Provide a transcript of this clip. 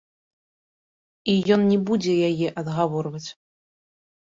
І ён не будзе яе адгаворваць.